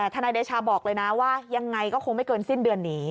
ทนายเดชาบอกเลยนะว่ายังไงก็คงไม่เกินสิ้นเดือนนี้